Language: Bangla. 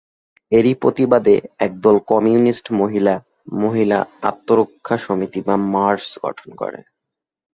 এরই প্রতিবাদে একদল কমিউনিস্ট মহিলা মহিলা আত্মরক্ষা সমিতি বা "মার্স" গঠন করে।